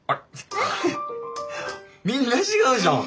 みんな違うじゃん。